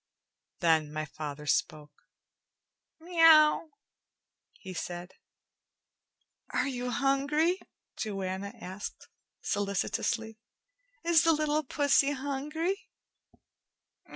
Then my father spoke. "Meow," he said. "Are you hungry?" Joanna asked solicitously. "Is the little pussy hungry?"